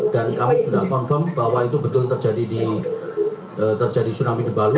dan kami sudah confirm bahwa itu betul terjadi tsunami di palu